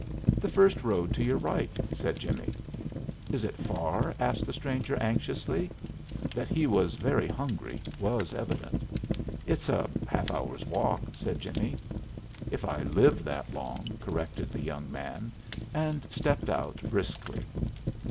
"The first road to your right," said Jimmie. "Is it far?" asked the stranger anxiously. That he was very hungry was evident. "It's a half hour's walk," said Jimmie. "If I live that long," corrected the young man; and stepped out briskly.